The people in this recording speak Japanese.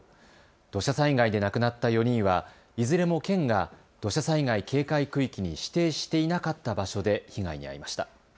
土砂災害で亡くなった４人はいずれも県が土砂災害警戒区域に指定していなかった場所で被害に遭いました。